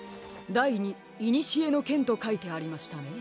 だいにいにしえのけんとかいてありましたね？